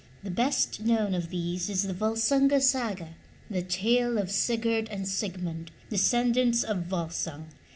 The best known of these is the Volsunga Saga, the tale of Sigurd and Sigmund, descendants of Volsung.